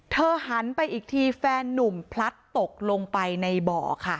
หันไปอีกทีแฟนนุ่มพลัดตกลงไปในบ่อค่ะ